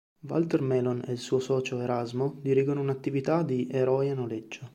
Walter Melon e il suo socio Erasmo dirigono un'attività di "Eroi a noleggio".